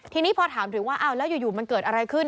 ทีนี้พอถามถึงว่าอ้าวแล้วอยู่มันเกิดอะไรขึ้น